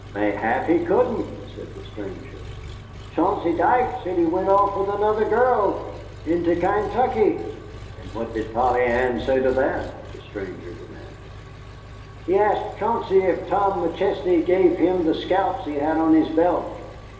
"Mayhap he couldn't," said the stranger. "Chauncey Dike said he went off with another girl, into Kaintuckee." "And what did Polly Ann say to that?" the stranger demanded. "She asked Chauncey if Tom McChesney gave him the scalps he had on his belt."